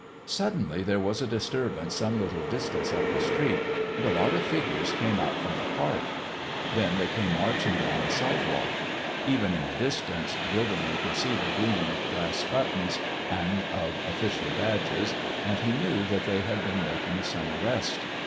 Suddenly there was a disturbance some little distance up the street, and a lot of figures came out from the park. Then they came marching down the sidewalk. Even in the distance Gilderman could see the gleam of brass buttons and of official badges, and he knew that they had been making some arrest.